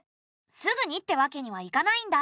すぐにってわけにはいかないんだ。